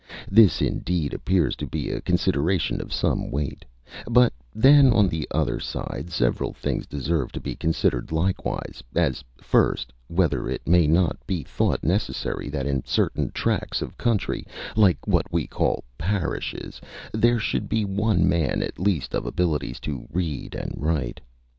This indeed appears to be a consideration of some weight; but then, on the other side, several things deserve to be considered likewise: as, first, whether it may not be thought necessary that in certain tracts of country, like what we call parishes, there should be one man at least of abilities to read and write.